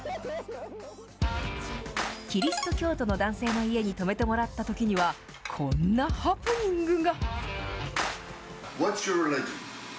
キリスト教徒の男性の家に泊めてもらったときには、こんなハプニングが。